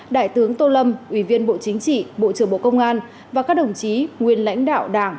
đại tướng tô lâm ủy viên bộ chính trị bộ trưởng bộ công an và các đồng chí nguyên lãnh đạo đảng